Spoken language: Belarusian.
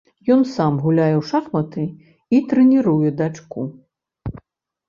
Ён сам гуляе ў шахматы і трэніруе дачку.